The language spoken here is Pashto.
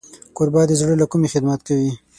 کوربه د زړه له کومي خدمت کوي.